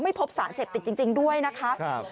พบสารเสพติดจริงด้วยนะคะ